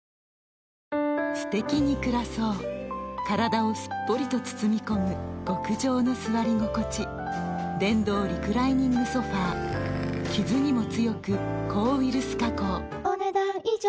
すてきに暮らそう体をすっぽりと包み込む極上の座り心地電動リクライニングソファ傷にも強く抗ウイルス加工お、ねだん以上。